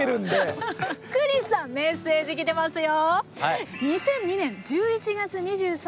福西さんメッセージ来てますよ。